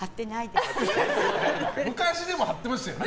でも、昔貼ってましたよね。